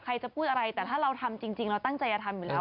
ใครจะพูดอะไรแต่ถ้าเราทำจริงเราตั้งใจจะทำอยู่แล้ว